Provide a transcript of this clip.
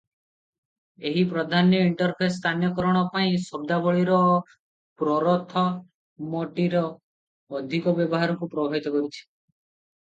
ଏହି ପ୍ରାଧାନ୍ୟ ଇଣ୍ଟରଫେସ ସ୍ଥାନୀୟକରଣ ପାଇଁ ଶବ୍ଦାବଳୀରେ ପ୍ରରଥମଟିର ଅଧିକ ବ୍ୟବହାରକୁ ପ୍ରଭାବିତ କରିଛି ।